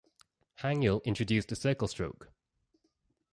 Hangul introduced the circle stroke.